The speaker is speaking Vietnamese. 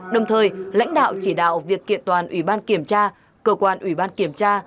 đồng thời lãnh đạo chỉ đạo việc kiện toàn ủy ban kiểm tra cơ quan ủy ban kiểm tra